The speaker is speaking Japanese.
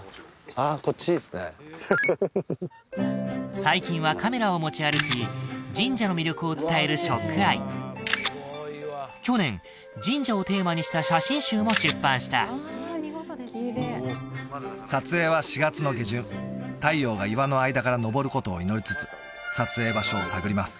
ああこっちいいですね最近はカメラを持ち歩き神社の魅力を伝えるＳＨＯＣＫＥＹＥ去年神社をテーマにした写真集も出版した撮影は４月の下旬太陽が岩の間から昇ることを祈りつつ撮影場所を探ります